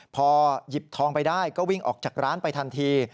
พอหยิบทองไปได้ก็วิ่งออกจากร้านไปทันที